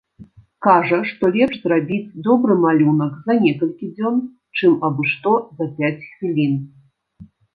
Кажа, што лепш зрабіць добры малюнак за некалькі дзён, чым абы-што за пяць хвілін.